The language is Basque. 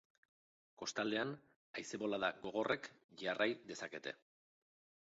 Kostaldean, haize-bolada gogorrek jarrai dezakete.